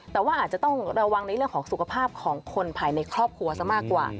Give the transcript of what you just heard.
แต่ว่าอาจจะต้องระวังในเรื่องของสุขภาพของคนภายในครอบครัวซะมากกว่า